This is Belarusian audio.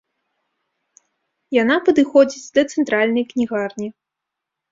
Яна падыходзіць да цэнтральнай кнігарні.